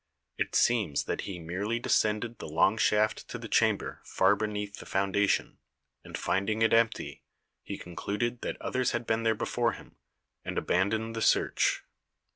It seems that he merely de scended the long shaft to the chamber far beneath the foundation, and finding it empty, he concluded that others had been there before him, and aban doned the search.